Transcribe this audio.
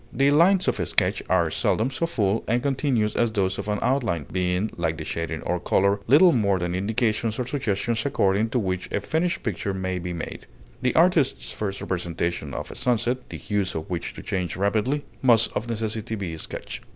The lines of a sketch are seldom so full and continuous as those of an outline, being, like the shading or color, little more than indications or suggestions according to which a finished picture may be made; the artist's first representation of a sunset, the hues of which change so rapidly, must of necessity be a sketch.